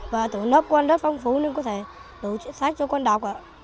và tủ lớp con rất phong phú nên có thể đủ sách cho con đọc